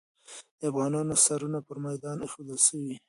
د افغانانو سرونه پر میدان ایښودل سوي.